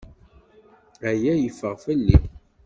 Aya yeffeɣ fell-i.